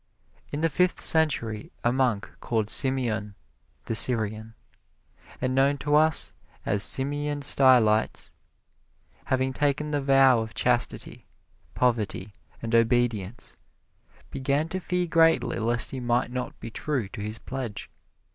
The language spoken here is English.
In the Fifth Century a monk called Simeon the Syrian, and known to us as Simeon Stylites, having taken the vow of chastity, poverty and obedience, began to fear greatly lest he might not be true to his pledge.